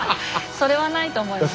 それはないと思います。